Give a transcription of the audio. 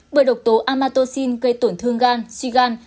bởi độc tố amatocin gây tổn thương gan suy gan